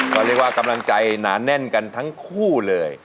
ก็เรียกว่ากำลังใจหนาแน่นกันทั้งคู่เลย